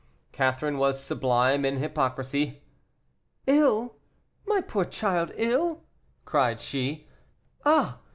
Catherine was sublime in hypocrisy. "Ill my poor child, ill!" cried she; "ah!